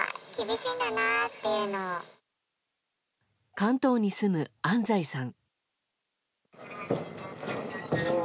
関東に住む安西さん。